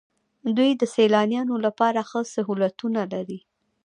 دوی د سیلانیانو لپاره ښه سهولتونه لري.